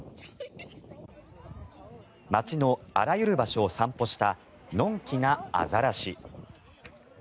街のあらゆる場所を散歩したのんきなアザラシ。